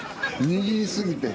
握りすぎて。